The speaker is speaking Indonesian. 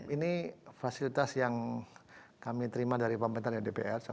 ini fasilitas yang kami terima dari pemerintah dan dpr